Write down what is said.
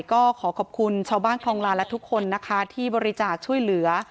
ก็ขอขอบคุณชาวบ้านคลองลาและทุกคนนะคะที่บริจาคช่วยเหลือ